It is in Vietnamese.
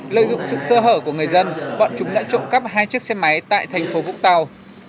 lợi dụng sự sơ hở của người dân bọn chúng đã trộm cắp hai chiếc xe máy tại thành phố vũng tàu